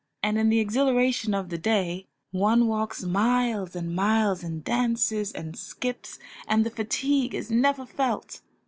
And in the exhilaration of the day, one walks miles and miles, and dances and skips, and the fatigue is never felt.